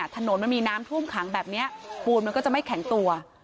ถนนมันมีน้ำท่วมขังแบบนี้ปูนมันก็จะไม่แข็งตัว